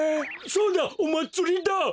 そうだおまつりだ！